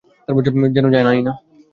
যেনো জানোই না!